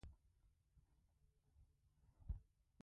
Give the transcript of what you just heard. د بید پاڼې د تبې لپاره وکاروئ